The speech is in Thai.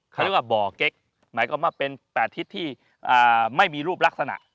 เขาเรียกว่าเบาเก๊กหมายถึงแปดทิศที่ไม่มีรูปรักษณะ